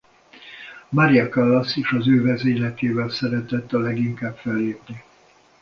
Maria Callas is az ő vezényletével szeretett a leginkább fellépni.